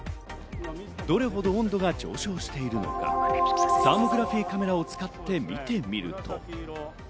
どれほど温度が上昇しているのか、サーモグラフィーカメラを使ってみて見てと。